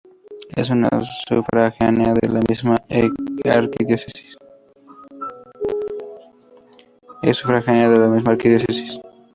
Es sufragánea de esa misma arquidiócesis.